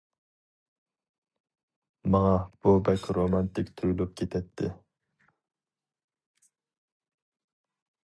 ماڭا بۇ بەك رومانتىك تۇيۇلۇپ كېتەتتى.